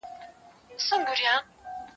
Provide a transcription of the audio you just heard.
اوس په كلي كي چي هر څه دهقانان دي